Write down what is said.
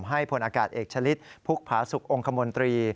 ให้พลอากาศเอกชะฤทธิ์ภุกร์ภาษุคองคมณ์ตรี